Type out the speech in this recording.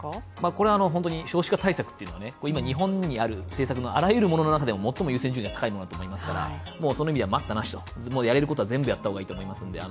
これ本当に少子化対策ってのはね、今日本にある制作のあらゆるものの中で最も優先順位が高いものと思いますから、もうその意味で待ったなしとやれることは全部やった方がいいと思います